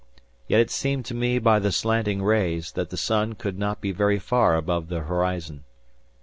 Yet it seemed to me by the slanting rays, that the sun could not be very far above the horizon.